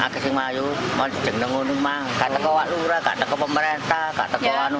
kata kewak lura kata ke pemerintah kata ke warga